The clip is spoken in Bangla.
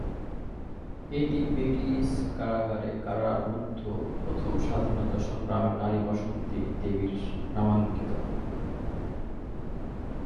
এটি ব্রিটিশ কারাগারে কারারুদ্ধ প্রথম স্বাধীনতা সংগ্রামী নারী বাসন্তী দেবীর নামাঙ্কিত।